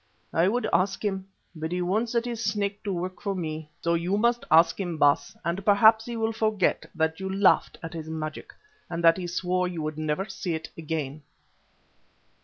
I would ask him, but he won't set his Snake to work for me. So you must ask him, Baas, and perhaps he will forget that you laughed at his magic and that he swore you would never see it again."